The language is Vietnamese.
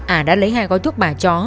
ả đã lấy hai gói thuốc bà chó